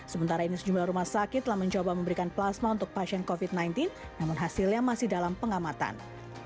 sementara ini sejumlah rumah sakit telah mencoba memberikan plasma untuk pasien covid sembilan belas namun hasilnya masih dalam pengamatan